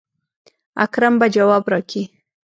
اکرم به جواب راکي.